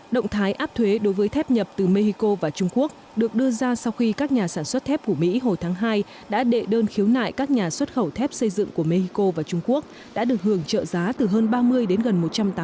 động thái áp thuế đối với thép nhập từ mexico và trung quốc được đưa ra sau khi các nhà sản xuất thép của mỹ hồi tháng hai đã đệ đơn khiếu nại các nhà xuất khẩu thép xây dựng của mexico và trung quốc đã được hưởng trợ giá từ hơn ba mươi đến gần một trăm tám mươi